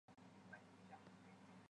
庆历四年。